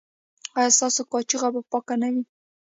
ایا ستاسو کاشوغه به پاکه نه وي؟